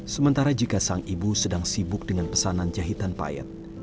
sementara jika sang ibu sedang sibuk dengan pesanan jahitan payet